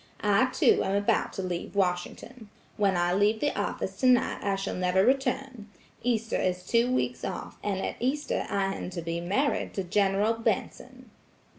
I, too, am about to leave Washington. When I leave the office tonight I shall never return. Easter is two weeks off, and at Easter I am to be married to General Benson."